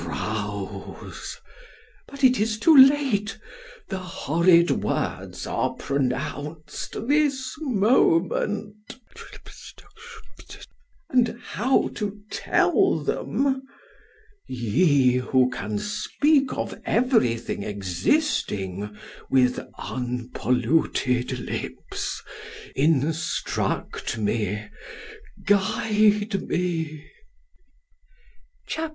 rouse!——but 'tis too late—the horrid words are pronounced this moment—— ——and how to tell them—Ye, who can speak of every thing existing, with unpolluted lips—instruct me——guide me—— C H A P.